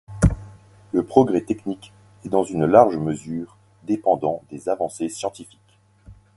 Le progrès technique est dans une large mesure dépendant des avancées scientifiques.